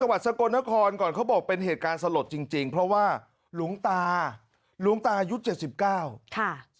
สวัสดีค่ะกระหวัดสกลนครก่อนเขาบอกเป็นเหตุการณ์สลดจริงเพราะว่าหลวงตายุทธ๗๙